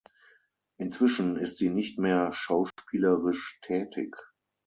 Inzwischen ist sie nicht mehr schauspielerisch tätig.